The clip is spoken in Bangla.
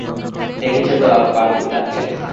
দেখেছ তো বাপু তাকে।